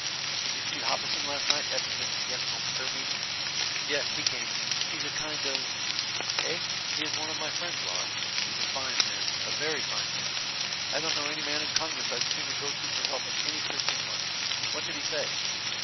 "Did you see Hopperson last night after the congressional prayer meeting?" "Yes. He came. He's a kind of " "Eh? he is one of my friends, Laura. He's a fine man, a very fine man. I don't know any man in congress I'd sooner go to for help in any Christian work. What did he say?"